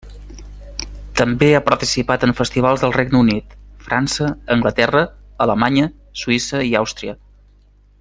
També ha participat en festivals del Regne Unit, França, Anglaterra, Alemanya, Suïssa i Àustria.